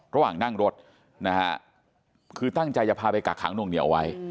ระหว่างนั่งรถนะฮะคือตั้งใจจะพาไปกักขังนวงเหนียวไว้